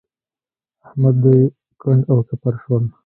احمد دوی کنډ او کپر شول.